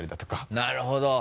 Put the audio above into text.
なるほど！